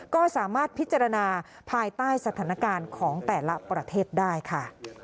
ก็สามารถพิจารณาภายใต้สถานการณ์ของแต่ละประเทศได้ค่ะ